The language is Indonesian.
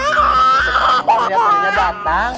sekarang dia ternyata datang